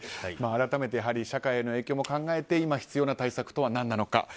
改めて社会への影響も考えて今、必要な対策とは何なのか。